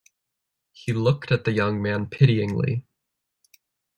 He looked at the young man pityingly.